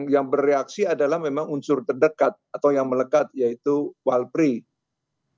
yang bereaksi adalah memang unsur terdekat atau yang melekat yaitu walpree